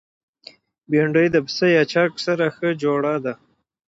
بېنډۍ د پسه یا چرګ سره ښه جوړه ده